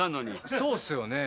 そうっすよね。